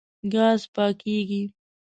ګاز پاکېږي.